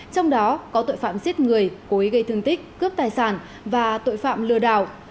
trong đó có tội phạm giết người cối gây thương tích cướp tài sản và tội phạm lừa đảo